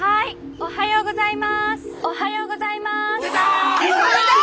「おはようございます」。